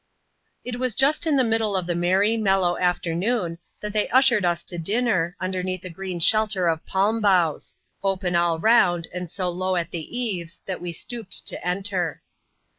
It was just in the middle of the merry, mellow afternoon, that they ushered us to dinner, underneath a green shelter of palm boughs ; open all round, and so low at the eaves, that we stooped to enter.